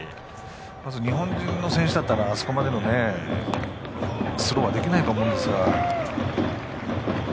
まず日本人選手だったらあそこまでのスローはできないと思いますから。